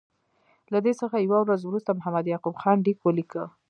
له دې څخه یوه ورځ وروسته محمد یعقوب خان لیک ولیکه.